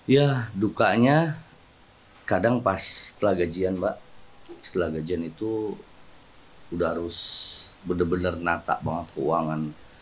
ya dukanya kadang pas setelah gajian mbak setelah gajian itu udah harus bener bener nata banget keuangan